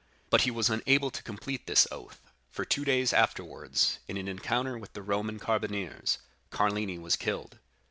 But he was unable to complete this oath, for two days afterwards, in an encounter with the Roman carbineers, Carlini was killed.